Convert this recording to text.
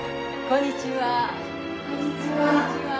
こんにちは。